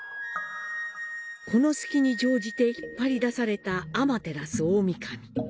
この隙に乗じて引っ張り出された天照大御神。